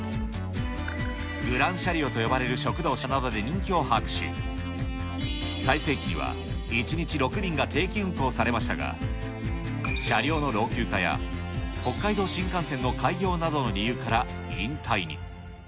グランシャリオと呼ばれる食堂車などで人気を博し、最盛期には１日６便が定期運行されましたが、車両の老朽化や北海道新幹線の開業などの理由から、引退に。